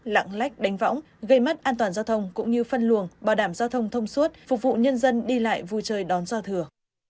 lặng lách đánh võng gây mất an toàn giao thông cũng như phân luồng bảo đảm giao thông thông suốt phục vụ nhân dân đi lại vui chơi đón do thừa